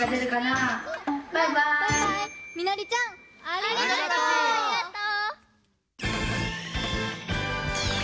ありがとう！